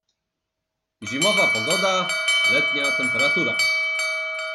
Zimowa pogoda - letnia temperatura